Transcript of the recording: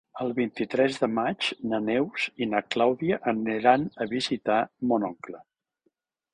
El vint-i-tres de maig na Neus i na Clàudia aniran a visitar mon oncle.